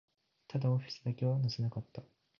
ただ、オフィスだけは乗せなかった